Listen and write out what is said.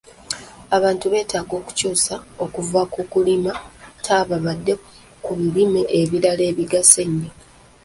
Abantu beetaaga okukyusa okuva ku kulima taaba badde ku birime ebirala ebigasa ennyo.